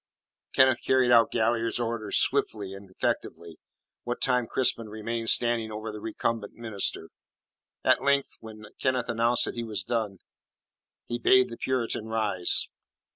Kenneth carried out Galliard's orders swiftly and effectively, what time Crispin remained standing over the recumbent minister. At length, when Kenneth announced that it was done, he bade the Puritan rise.